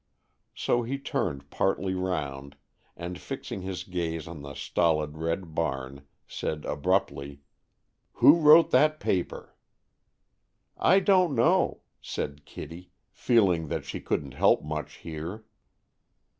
So he turned partly round, and, fixing his gaze on the stolid red barn, said abruptly: "Who wrote that paper?" "I don't know," said Kitty, feeling that she couldn't help much here.